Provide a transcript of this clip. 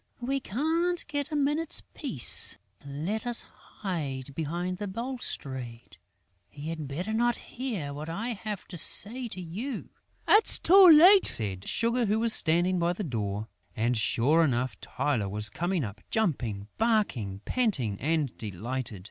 We can't get a minute's peace. Let us hide behind the balustrade. He had better not hear what I have to say to you." "It's too late," said Sugar, who was standing by the door. And, sure enough, Tylô was coming up, jumping, barking, panting and delighted.